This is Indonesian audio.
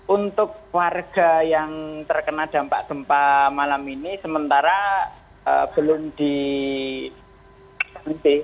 untuk warga yang terkena dampak gempa malam ini sementara belum dihentikan